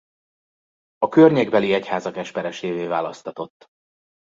A környékbeli egyházak esperesévé választatott.